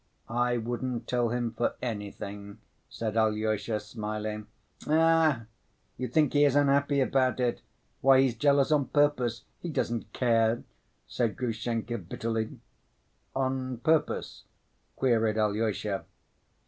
"I wouldn't tell him for anything," said Alyosha, smiling. "Ech! You think he is unhappy about it. Why, he's jealous on purpose. He doesn't care," said Grushenka bitterly. "On purpose?" queried Alyosha.